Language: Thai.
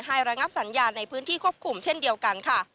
ระงับสัญญาณในพื้นที่ควบคุมเช่นเดียวกันค่ะ